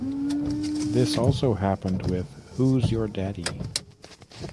This also happened with Who's Your Daddy?